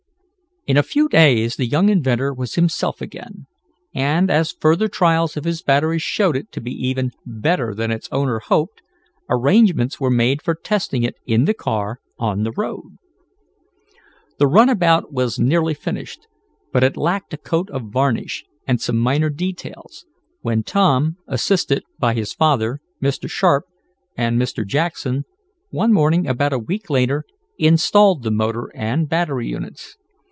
In a few days the young inventor was himself again, and as further trials of his battery showed it to be even better than its owner hoped, arrangements were made for testing it in the car on the road. The runabout was nearly finished, but it lacked a coat of varnish, and some minor details, when Tom, assisted by his father, Mr. Sharp and Mr. Jackson, one morning, about a week later, installed the motor and battery units.